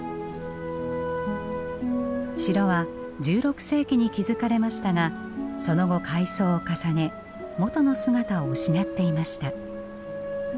城は１６世紀に築かれましたがその後改装を重ね元の姿を失っていました。